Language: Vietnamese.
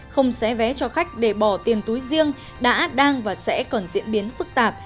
không xé vé cho khách để bỏ tiền túi riêng đã đang và sẽ còn diễn biến phức tạp